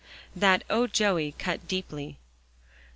That "Oh, Joey!" cut deeply.